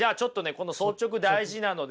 この「率直」大事なのでね